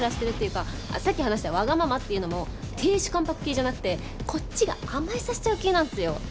さっき話したわがままっていうのも亭主関白系じゃなくてこっちが甘えさせちゃう系なんすよ。